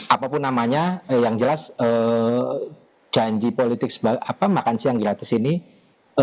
apapun namanya yang jelas janji politik makan siang gratis ini